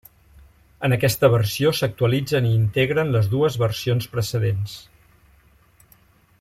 En aquesta versió s'actualitzen i integren les dues versions precedents.